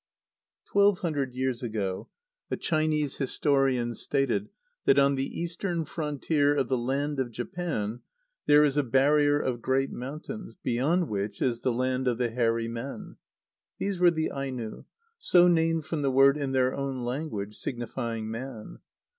Twelve hundred years ago a Chinese historian stated that "on the eastern frontier of the land of Japan there is a barrier of great mountains, beyond which is the land of the Hairy Men." These were the Aino, so named from the word in their own language signifying "man."